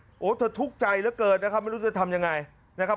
โธ่เธอทุกจัยระเกิดนะครับไม่รู้จะทำยังไงนะครับ